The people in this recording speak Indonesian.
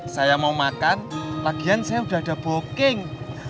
saya mau makan lagian saya udah ada boking